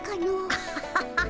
アハハハ。